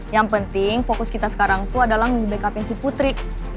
yang penting fokus kita sekarang tuh adalah nge backup in si putri